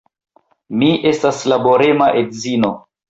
Mi estas laborema edzino.